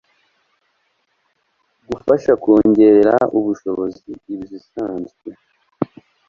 gufasha kongerera ubushobozi izisanzwe